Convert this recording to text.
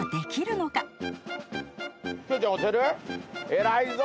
偉いぞ。